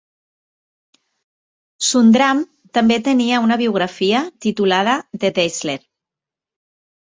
Sundram també tenia una biografia titulada "The Dazzler".